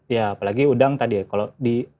ya apalagi udang tadi ya kalau di